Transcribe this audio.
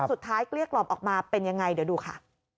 สุดท้ายเกลี้ยกรอบออกมาเป็นยังไงเดี๋ยวดูค่ะ